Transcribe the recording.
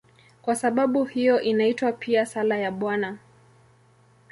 Kwa sababu hiyo inaitwa pia "Sala ya Bwana".